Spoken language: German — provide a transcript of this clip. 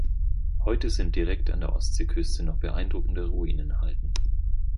Heute sind direkt an der Ostsee-Küste noch beeindruckende Ruinen erhalten.